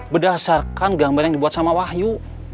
berdasarkan gambar yang dibuat sama wahyu